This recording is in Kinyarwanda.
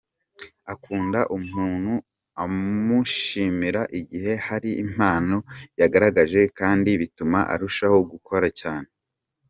Akunda umuntu umushimira igihe hari impano yagaragaje kandi bituma arushaho gukora cyane.